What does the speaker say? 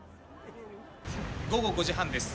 午後５時半です。